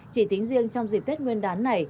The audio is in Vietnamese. chỉ tính riêng trong dịp tết nguyên đán